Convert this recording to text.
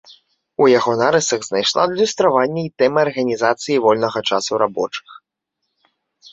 У яго нарысах знайшла адлюстраванне і тэма арганізацыі вольнага часу рабочых.